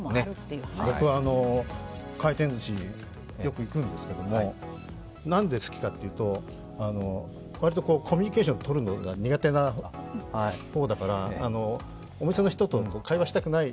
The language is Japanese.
僕は回転ずし、よく行くんですけどもなんで好きかというと、割とコミュニケーションをとるのが苦手な方だからお店の人と会話したくない。